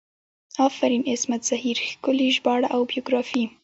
افرین عصمت زهیر ښکلي ژباړه او بیوګرافي